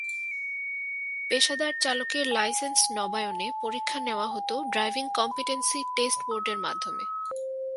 পেশাদার চালকের লাইসেন্স নবায়নে পরীক্ষা নেওয়া হতো ড্রাইভিং কম্পিটেন্সি টেস্ট বোর্ডের মাধ্যমে।